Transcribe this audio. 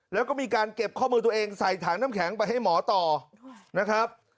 แล้วก็มีการเก็บข้อมือตัวเองใส่ถังน้ำแข็งไปให้หมอต่อนะครับ